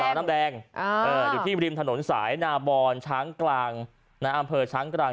น้ำแดงอยู่ที่ริมถนนสายนาบอนช้างกลางอำเภอช้างกลาง